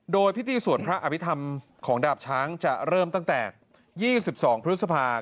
โดยพิธีสวดพระอภิษฐรรมของดาบช้างจะเริ่มตั้งแต่๒๒พฤษภาค